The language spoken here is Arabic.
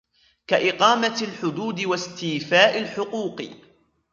كَإِقَامَةِ الْحُدُودِ وَاسْتِيفَاءِ الْحُقُوقِ